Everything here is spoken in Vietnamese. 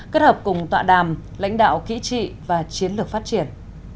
kết hợp cùng tọa đàm lãnh đạo kỹ trị và chiến lược phát triển